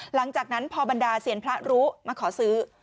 หลังจากนั้นพอบรรดาเซียนพระรู้มาขอซื้อ